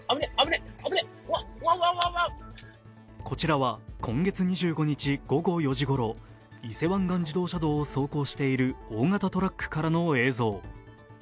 こちらは今月２５日午後４時ごろ、伊勢湾岸自動車道を走行している大型トラックからの映像。